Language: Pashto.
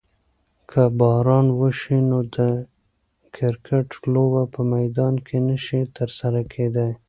که باران وشي نو د کرکټ لوبه په میدان کې نشي ترسره کیدی.